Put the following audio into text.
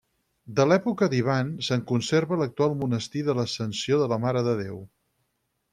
De l'època d'Ivan se'n conserva l'actual monestir de l'Ascensió de la Mare de Déu.